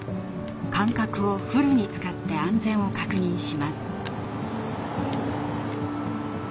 感覚をフルに使って安全を確認します。